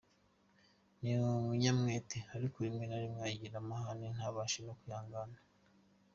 Ni umunyamwete ariko rimwe na rimwe agira amahane ntabashe no kwihangana .